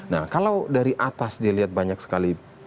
nah kalau dari atas dilihat banyak sekali